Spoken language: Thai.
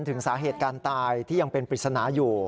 ถึงสาเหตุการตายที่ยังเป็นปริศนาอยู่